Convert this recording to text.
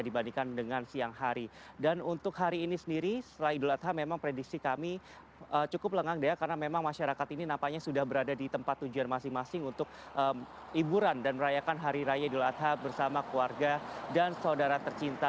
dan untuk hari ini sendiri setelah idul adha memang prediksi kami cukup lengang karena memang masyarakat ini nampaknya sudah berada di tempat tujuan masing masing untuk hiburan dan merayakan hari raya idul adha bersama keluarga dan saudara tercinta